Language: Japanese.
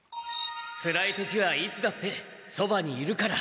つらいときはいつだってそばにいるから。